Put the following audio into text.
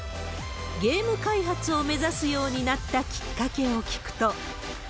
ゲーム開発を目指すようになったきっかけを聞くと。